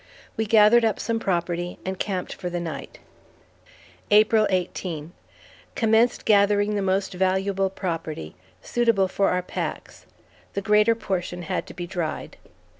We gathered up some property, and camped for the night. April 18. Commenced gathering the most valuable property, suitable for our packs; the greater portion had to be dried.